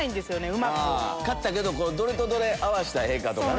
買ったけどどれとどれ合わせたらいいか？とかね。